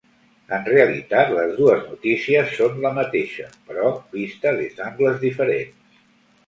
En realitat, les dues notícies són la mateixa, però vista des d’angles diferents.